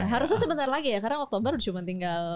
harusnya sebentar lagi ya karena waktu baru cuma tinggal